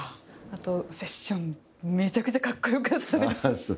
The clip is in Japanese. あと、セッション、めちゃくちゃかっこよかったです。